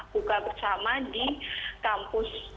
buka bersama di kampus